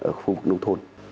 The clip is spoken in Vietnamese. ở khu vực nông thôn